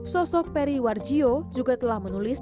sosok peri warjio juga telah menulis